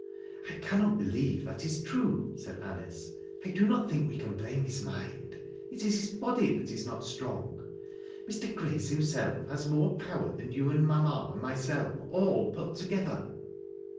*' I cannot believe that is true," said Anice. " I do no! think wo can blame his mind. It is his body that is not strong. Mr. G race himself has more power than you aiiil mamma and myself all put together."